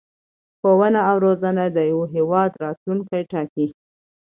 ښوونه او رزونه د یو هېواد راتلوونکی ټاکي.